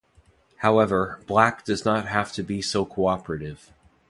However, Black does not have to be so cooperative.